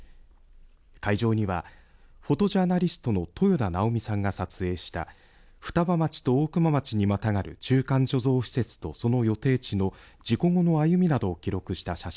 会場にはフォトジャーナリストの豊田直巳さんが撮影した双葉町と大熊町にまたがる中間貯蔵施設とその予定地の事故後の歩みなどを記録した写真。